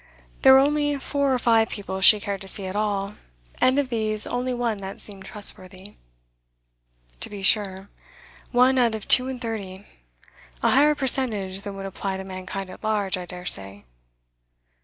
There were only four or five people she cared to see at all, and of these only one that seemed trustworthy.' 'To be sure. One out of two and thirty. A higher percentage than would apply to mankind at large, I dare say.